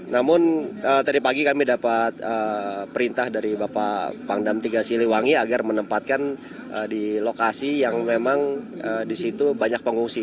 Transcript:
namun tadi pagi kami dapat perintah dari bapak pangdam tiga siliwangi agar menempatkan di lokasi yang memang di situ banyak pengungsi